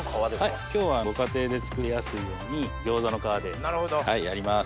はい今日はご家庭で作りやすいように餃子の皮でやります。